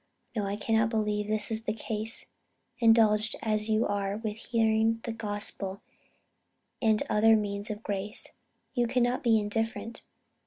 No, I cannot believe this is the case. Indulged as you are with hearing the gospel and other means of grace, you cannot be indifferent.